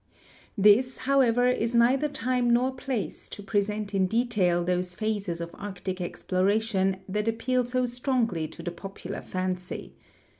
This, however, is neither time nor place to present in detail those phases of Arctic exploration that appeal so strongly to the popular fancy.